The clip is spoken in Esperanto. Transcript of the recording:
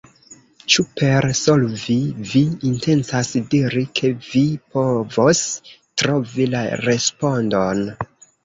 Ĉu per 'solvi' vi intencas diri ke vi povos trovi la respondon?